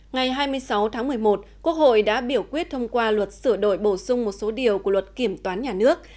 ngày hai mươi sáu tháng một mươi một quốc hội đã biểu quyết thông qua luật sửa đổi bổ sung một số điều của luật kiểm toán nhà nước